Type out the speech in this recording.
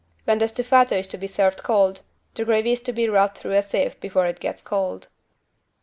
When the stufato is to be served cold, the gravy is to be rubbed through a sieve before it gets cold.